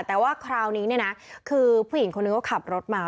แต่ว่าคราวนี้เนี่ยนะคือผู้หญิงคนนึงเขาขับรถมา